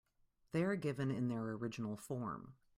They are given in their original form.